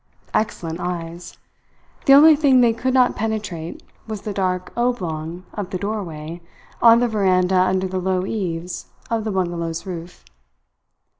Excellent eyes! The only thing they could not penetrate was the dark oblong of the doorway on the veranda under the low eaves of the bungalow's roof.